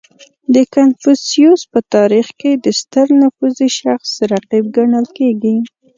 • کنفوسیوس په تاریخ کې د ستر نفوذي شخص رقیب ګڼل کېږي.